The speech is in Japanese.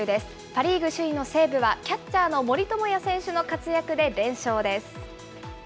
パ・リーグ首位の西武は、キャッチャーの森友哉選手の活躍で連勝です。